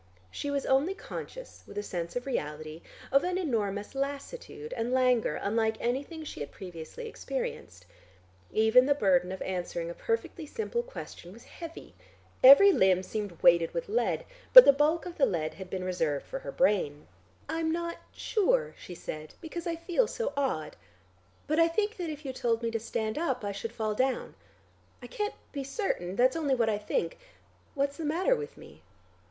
She was only conscious, with a sense of reality, of an enormous lassitude and languor unlike anything she had previously experienced. Even the burden of answering a perfectly simple question was heavy. Every limb seemed weighted with lead, but the bulk of the lead had been reserved for her brain. She had to make an effort in order to answer at all. "I'm not sure," she said, "because I feel so odd. But I think that if you told me to stand up I should fall down. I can't be certain; that's only what I think. What's the matter with me?"